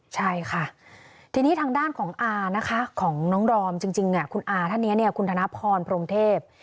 ใช่ค่ะที่นี้ทางด้านของอาร์นะคะของน้องรอห์มจริงของคุณดอร์มคุณทนพศพรเทพ